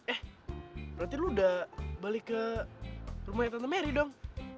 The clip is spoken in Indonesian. eh berarti lu udah balik ke rumahnya tante mary dong